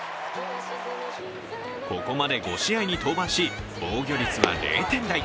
ここまで５試合に登板し防御率は０点台。